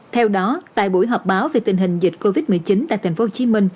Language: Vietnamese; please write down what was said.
theo đó tại buổi họp báo về tình hình dịch covid một mươi chín tại tp hcm